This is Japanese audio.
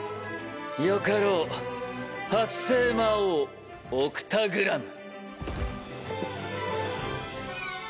よかろう八星魔王オクタグラム。